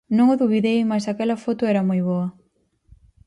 Non o dubidei máis aquela foto era moi boa.